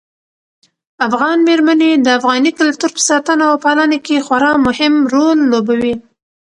افغان مېرمنې د افغاني کلتور په ساتنه او پالنه کې خورا مهم رول لوبوي.